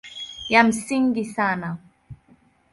Ya msingi sana